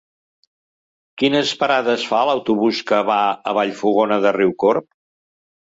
Quines parades fa l'autobús que va a Vallfogona de Riucorb?